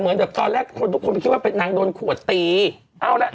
เหมือนแบบตอนแรกคนทุกคนไปคิดว่าเป็นนางโดนขวดตีเอาละ